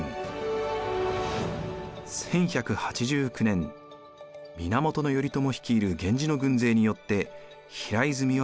１１８９年源頼朝率いる源氏の軍勢によって平泉は陥落。